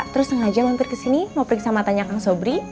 terus sengaja mampir kesini mau periksa matanya kang sobri